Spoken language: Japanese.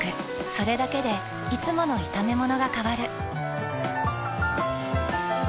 それだけでいつもの炒めものが変わる。